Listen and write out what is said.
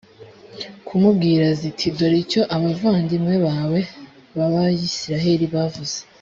kumubwira ziti «dore icyo abavandimwe bawe b’abayisraheli bavuze.